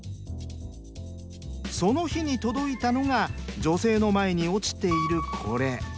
その日に届いたのが女性の前に落ちているこれ。